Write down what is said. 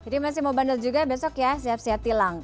masih mau bandel juga besok ya siap siap tilang